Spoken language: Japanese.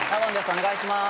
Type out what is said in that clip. お願いします。